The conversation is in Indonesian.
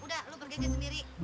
udah lo pergi aja sendiri